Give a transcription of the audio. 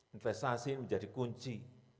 investasi menjadi kunci